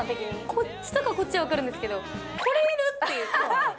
こっちとかこっちは分かるんですけど、これいるっていう。